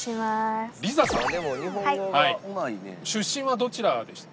出身はどちらでしたっけ？